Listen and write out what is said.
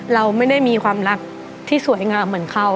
เราไม่ได้มีความรักที่สวยงามเหมือนเขา